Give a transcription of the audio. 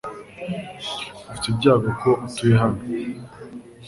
Ufite ibyago ko utuye hano .